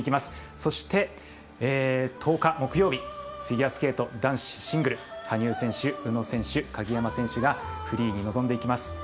そして、１０日、木曜日フィギュアスケート男子シングル羽生選手、宇野選手、鍵山選手がフリーに臨んでいきます。